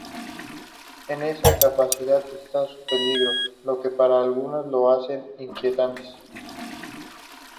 En esa capacidad está su peligro, lo que para algunos lo hace inquietantes.